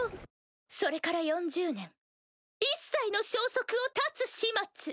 それから４０年一切の消息を絶つ始末。